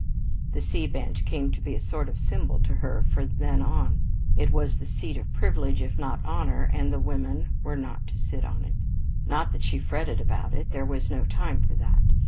The C bench came to be a sort of symbol to her from then on. It was the seat of privilege if not of honor, and the women were not to sit on it. Not that she fretted about it. There was no time for that.